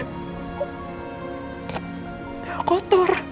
aku sekarang udah kotor